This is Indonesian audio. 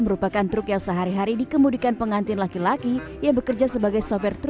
merupakan truk yang sehari hari dikemudikan pengantin laki laki yang bekerja sebagai sopir truk